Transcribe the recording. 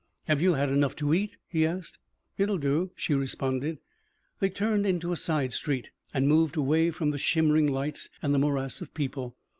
"Have you had enough to eat?" he asked. "It'll do," she responded. They turned into a side street and moved away from the shimmering lights and the morass of people.